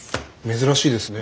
珍しいですね。